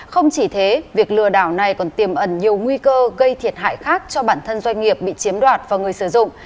không chỉ thế việc lừa đảo này còn tiềm ẩn nhiều nguy cơ gây thiệt hại khác cho bản thân doanh nghiệp bị chiếm đoạt và người sử dụng